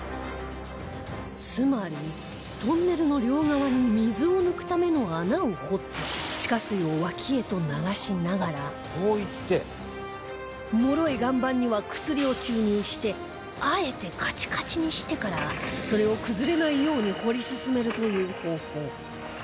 つまりトンネルの両側に水を抜くための穴を掘って地下水を脇へと流しながらもろい岩盤には薬を注入してあえてカチカチにしてからそれを崩れないように掘り進めるという方法